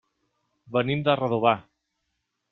Venim de Redovà.